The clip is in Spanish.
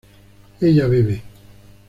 ella bebe